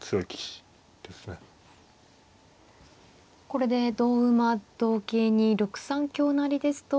これで同馬同桂に６三香成ですと。